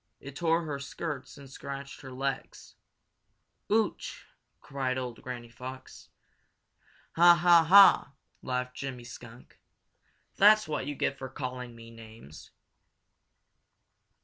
It tore her skirts and scratched her legs. "Ooch!" cried old Granny Fox. "Ha! ha! ha!" laughed Jimmy Skunk. "That's what you get for calling me names."